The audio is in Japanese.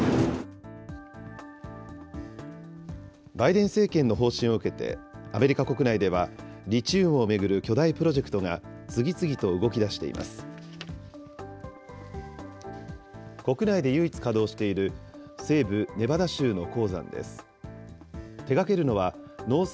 バイデン政権の方針を受けて、アメリカ国内では、リチウムを巡る巨大プロジェクトが次々と動き出しています。